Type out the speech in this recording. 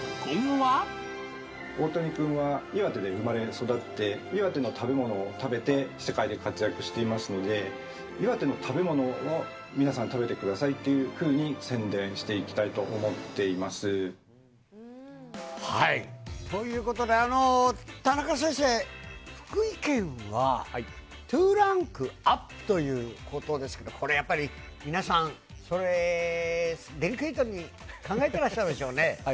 大谷君は岩手で生まれ育って、いわての食べ物を食べて、世界で活躍していますので、岩手の食べ物を皆さん食べてくださいというふうに宣伝していきたということで、田中先生、福井県は２ランクアップということですけど、これ、やっぱり皆さん、デリケートに考えてらっしゃるでしょうね。